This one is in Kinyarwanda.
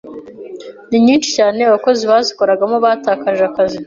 Ni nyinshi cyane abakozi bazikoragamo batakaje akazi